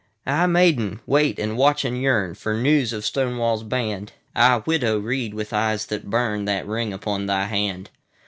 Ah, Maiden! wait and watch and yearnFor news of Stonewall's band. Ah, Widow! read, with eyes that burn, That ring upon thy hand.